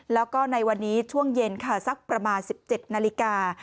แล้วก็ในวันนี้ช่วงเย็นค่ะสักประมาณ๑๗นาฬิกา